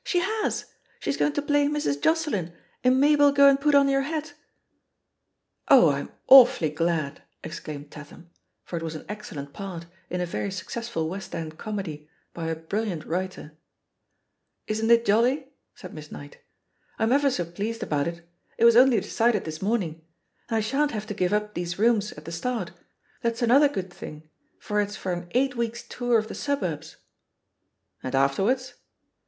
She has 1 She's going to play *Mrs. Joce lyn' in Mabel, Go and Put On Your Hat.'* fr« THE POSITION OF PEGGY HARPER "Oh, I*m awfully gladT' exclaimed Tatham, for it was an excellent part in a very successful [West End comedy by a brilliant writer. "Isn't it jolly?" said Miss Knight. "I'm ever iso pleased about it ; it was only decided this morn ing. And I shan't have to give up these rooms at the start — ^that's another good thing, for it's for an eight weeks' tour of the suburbs." "And afterwards?"